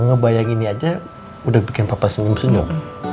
ngebayang ini aja udah bikin papa senyum senyum